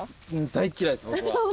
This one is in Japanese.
大っ嫌いです僕は。